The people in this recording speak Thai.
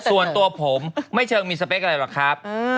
ส่วนตัวผมไม่เชิงมีสเปคอะไรหรอกครับ